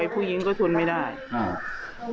อภัยเขาได้ไหม